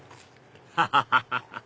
ハハハハ！